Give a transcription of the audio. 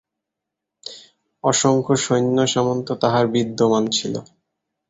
অসংখ্য সৈন্য সামন্ত তাঁহার বিদ্যমান ছিল।